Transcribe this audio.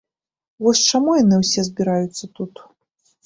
Вось, чаму яны ўсё збіраюцца тут?